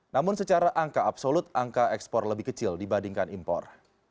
namun secara angka absolut angka ekspor lebih kecil dibandingkan impor